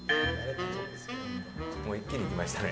もう一気にいきましたね。